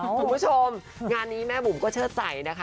คุณผู้ชมงานนี้แม่บุ๋มก็เชิดใสนะคะ